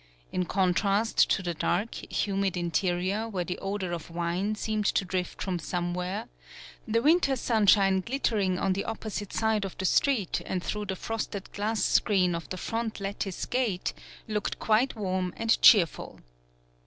In contrast to the dark, humid interior where the odor of wine seemed to drift from somewhere, the winter sunshine glittering on the oppo site side of the street and through the frosted glass screen of the front lattice gate, looked quite warm and cheerful.